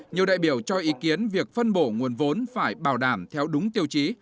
nhiều đại biểu cho ý kiến việc phân bổ nguồn vốn phải bảo đảm theo đúng tiêu chí